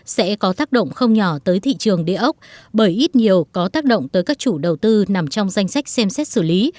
sẽ có tác động không nhỏ tới thị trường địa ốc bởi ít nhiều có tác động tới các chủ đầu tư nằm trong danh sách xem xét xử lý